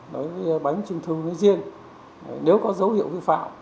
đối với bánh trưng thư nơi riêng nếu có dấu hiệu vi phạm